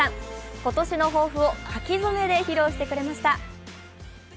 今年の抱負を書き初めで披露してくれました。